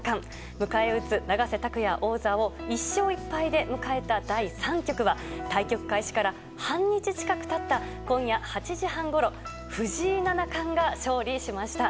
迎え撃つ永瀬拓矢王座を１勝１敗で迎えた第３局は対局開始から半日近く経った今夜８時半ごろ藤井七冠が勝利しました。